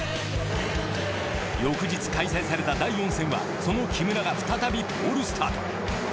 翌日開催された第４戦はその木村が再びポールスタート。